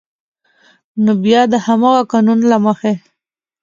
نو بیا د همغه قانون له مخې